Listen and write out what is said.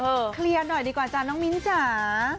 เคลียร์หน่อยดีกว่าจ้ะน้องมิ้นจ๋า